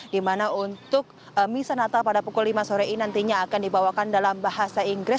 di mana untuk misa natal pada pukul lima sore ini nantinya akan dibawakan dalam bahasa inggris